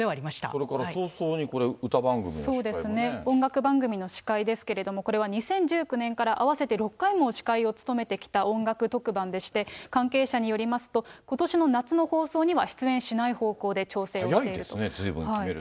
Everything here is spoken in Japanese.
それから早々にこれ、歌番組そうですね、音楽番組の司会ですけれども、これは２０１９年から合わせて６回も司会を務めてきた音楽特番でして、関係者によりますと、ことしの夏の放送には出演しない方向早いですね、ずいぶん決める